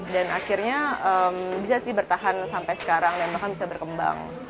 dan akhirnya bisa sih bertahan sampai sekarang dan bahkan bisa berkembang